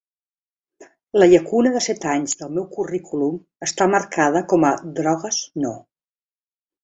La llacuna de set anys del meu currículum està marcada com a "Drogues no".